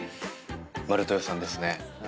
「丸豊」さんですね。